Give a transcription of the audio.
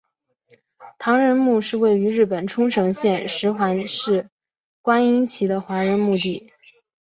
唐人墓是位于日本冲绳县石垣市观音崎的华人墓地。